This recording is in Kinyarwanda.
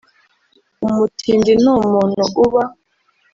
Umutindi ni umuntu uba